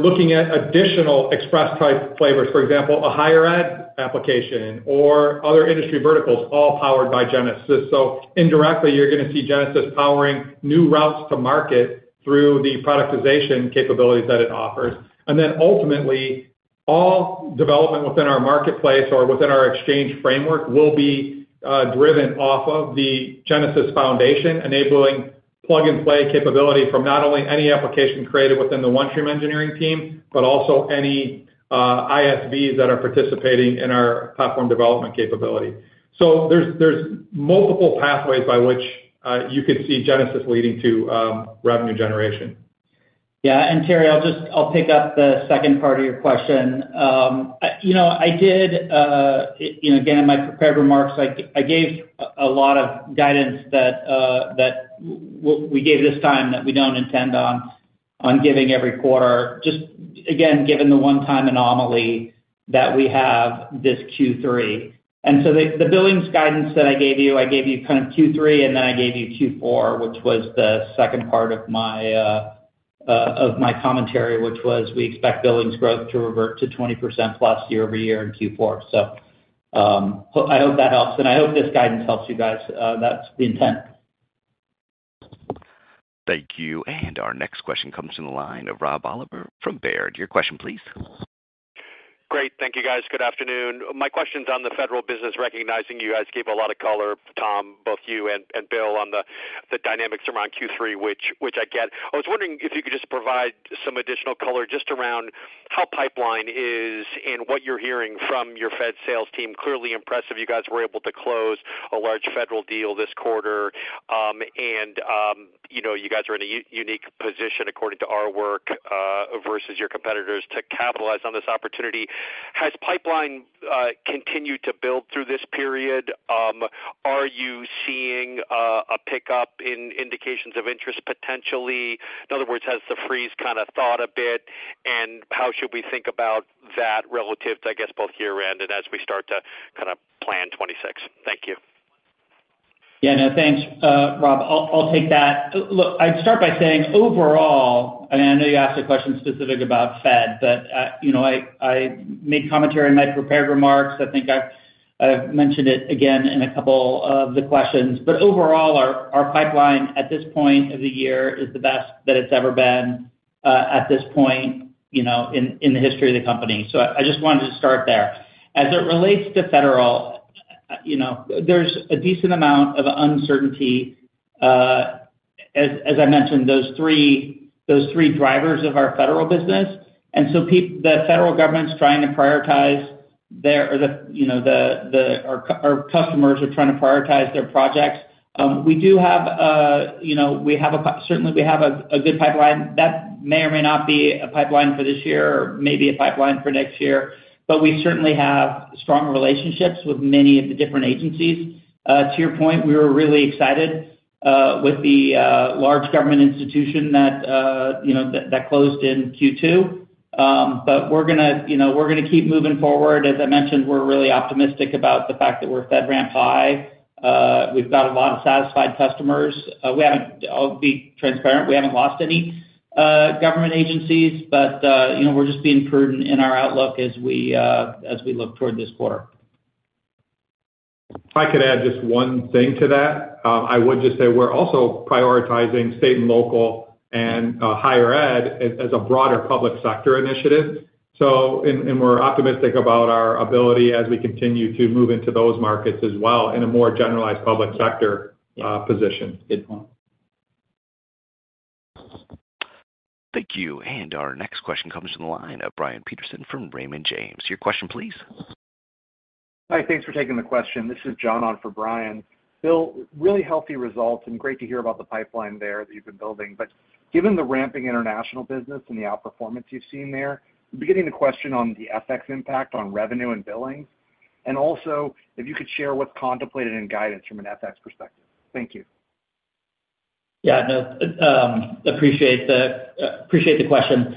looking at additional Express-type flavors, for example, a higher ed application or other industry verticals all powered by Genesis. Indirectly, you're going to see Genesis powering new routes to market through the productization capabilities that it offers. Ultimately, all development within our marketplace or within our exchange framework will be driven off of the Genesis foundation, enabling plug-and-play capability from not only any application created within the OneStream engineering team, but also any ISVs that are participating in our platform development capability. There's multiple pathways by which you could see Genesis leading to revenue generation. Yeah, Terry, I'll pick up the second part of your question. In my prepared remarks, I gave a lot of guidance that we gave this time that we don't intend on giving every quarter, just given the one-time anomaly that we have this Q3. The billings guidance that I gave you, I gave you Q3, and then I gave you Q4, which was the second part of my commentary, which was we expect billings growth to revert to 20%+ year-over-year in Q4. I hope that helps, and I hope this guidance helps you guys. That's the intent. Thank you. Our next question comes from the line of Rob Oliver from Baird. Your question, please. Great. Thank you, guys. Good afternoon. My question's on the federal business. You gave a lot of color, Tom, both you and Bill, on the dynamics around Q3, which I get. I was wondering if you could just provide some additional color just around how pipeline is and what you're hearing from your Fed sales team. Clearly impressive. You were able to close a large federal deal this quarter. You are in a unique position according to our work versus your competitors to capitalize on this opportunity. Has pipeline continued to build through this period? Are you seeing a pickup in indications of interest potentially? In other words, has the freeze kind of thawed a bit? How should we think about that relative to, I guess, both year-end and as we start to plan 2026? Thank you. Yeah, no, thanks, Rob. I'll take that. Look, I'd start by saying overall, and I know you asked a question specific about Fed, but I made commentary in my prepared remarks. I think I've mentioned it again in a couple of the questions. Overall, our pipeline at this point of the year is the best that it's ever been at this point in the history of the company. I just wanted to start there. As it relates to federal, there's a decent amount of uncertainty. As I mentioned, those three drivers of our federal business. The federal government's trying to prioritize their, or our customers are trying to prioritize their projects. We do have, certainly, a good pipeline. That may or may not be a pipeline for this year or maybe a pipeline for next year, but we certainly have strong relationships with many of the different agencies. To your point, we were really excited with the large government institution that closed in Q2. We're going to keep moving forward. As I mentioned, we're really optimistic about the fact that we're FedRAMP high. We've got a lot of satisfied customers. I'll be transparent, we haven't lost any government agencies, but we're just being prudent in our outlook as we look toward this quarter. If I could add just one thing to that, I would just say we're also prioritizing state and local and higher ed as a broader public sector initiative. We're optimistic about our ability as we continue to move into those markets as well in a more generalized public sector position. Thank you. Our next question comes from the line of Brian Peterson from Raymond James. Your question, please. Hi, thanks for taking the question. This is Jon on for Brian. Bill, really healthy results and great to hear about the pipeline there that you've been building. Given the ramping international business and the outperformance you've seen there, I'm beginning the question on the FX impact on revenue and billings. Also, if you could share what's contemplated in guidance from an FX perspective. Thank you. Yeah, no, appreciate the question.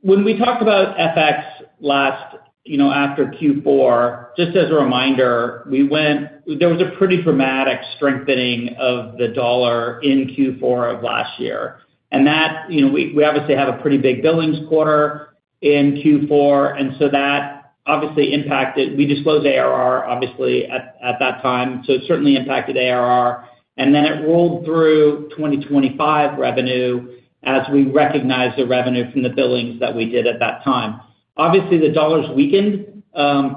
When we talked about FX last, after Q4, just as a reminder, we went, there was a pretty dramatic strengthening of the dollar in Q4 of last year. That, you know, we obviously have a pretty big billings quarter in Q4, so that obviously impacted, we disclosed ARR obviously at that time. It certainly impacted ARR, and then it rolled through 2025 revenue as we recognize the revenue from the billings that we did at that time. Obviously, the dollar's weakened,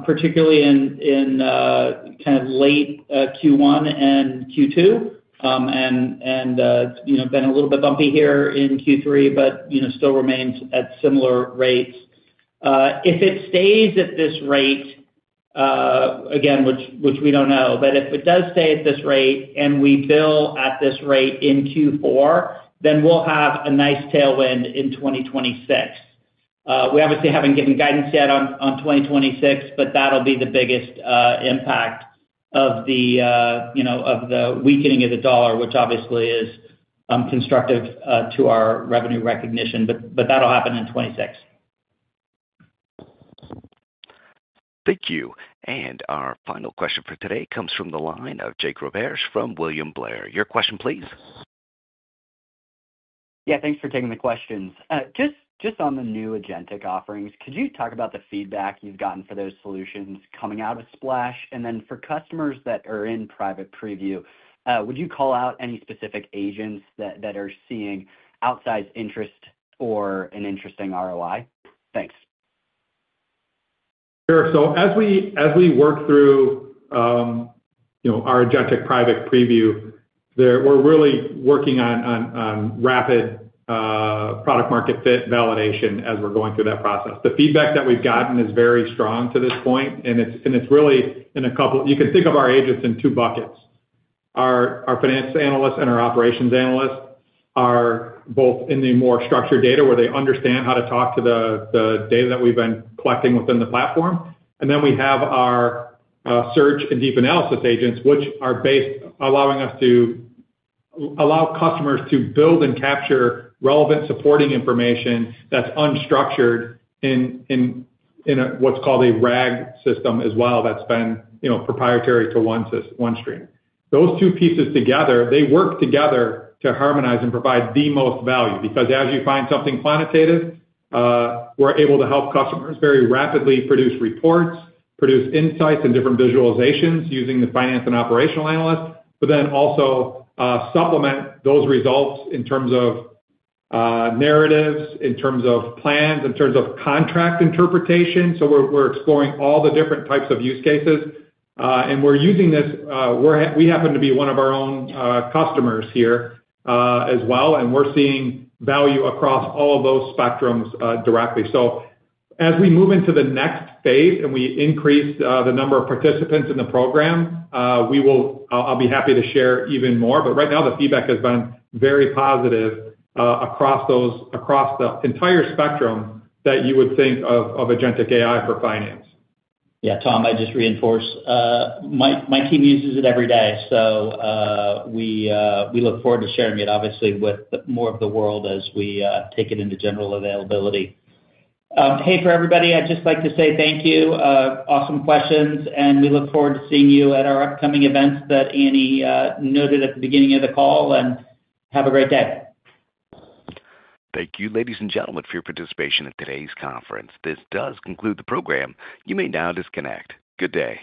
particularly in kind of late Q1 and Q2. It's been a little bit bumpy here in Q3, but, you know, still remains at similar rates. If it stays at this rate, again, which we don't know, but if it does stay at this rate and we bill at this rate in Q4, then we'll have a nice tailwind in 2026. We obviously haven't given guidance yet on 2026, but that'll be the biggest impact of the weakening of the dollar, which obviously is constructive to our revenue recognition. That'll happen in 2026. Thank you. Our final question for today comes from the line of Jake Roberge from William Blair. Your question, please. Yeah, thanks for taking the questions. Just on the new agentic offerings, could you talk about the feedback you've gotten for those solutions coming out of Splash? For customers that are in private preview, would you call out any specific agents that are seeing outside interest or an interesting ROI? Thanks. Sure. As we work through our agentic private preview, we're really working on rapid product-market fit validation as we're going through that process. The feedback that we've gotten is very strong to this point. It's really in a couple, you can think of our agents in two buckets. Our finance analysts and our operations analysts are both in the more structured data where they understand how to talk to the data that we've been collecting within the platform. We have our search and deep analysis agents, which are based allowing us to allow customers to build and capture relevant supporting information that's unstructured in what's called a RAG system as well that's been proprietary to OneStream. Those two pieces work together to harmonize and provide the most value because as you find something quantitative, we're able to help customers very rapidly produce reports, produce insights and different visualizations using the finance and operational analysts, but also supplement those results in terms of narratives, in terms of plans, in terms of contract interpretation. We're exploring all the different types of use cases. We're using this, we happen to be one of our own customers here as well. We're seeing value across all of those spectrums directly. As we move into the next phase and we increase the number of participants in the program, I'll be happy to share even more. Right now, the feedback has been very positive across the entire spectrum that you would think of agentic AI for finance. Yeah, Tom, I just reinforce, my team uses it every day. We look forward to sharing it obviously with more of the world as we take it into general availability. For everybody, I'd just like to say thank you. Awesome questions. We look forward to seeing you at our upcoming events that Annie noted at the beginning of the call. Have a great day. Thank you, ladies and gentlemen, for your participation at today's conference. This does conclude the program. You may now disconnect. Good day.